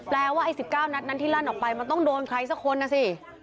ว่าไอ้๑๙นัดนั้นที่ลั่นออกไปมันต้องโดนใครสักคนนะสิ